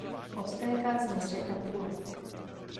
Odtéká z něj řeka Tula.